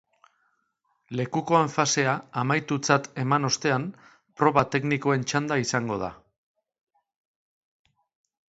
Lekukoen fasea amaitutzat eman ostean, proba teknikoen txanda izango da.